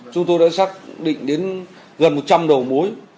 chúng tôi đã xác định đến gần một trăm linh đầu mối